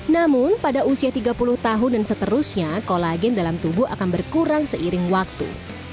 namun pada usia tiga puluh tahun dan seterusnya kolagen dalam tubuh akan berkurang seiring waktu